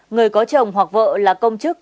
người có chồng hoặc vợ là công chức